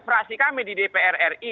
fraksi kami di dpr ri